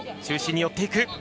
中心に寄っていく。